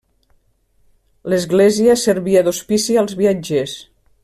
L'església servia d'hospici als viatgers.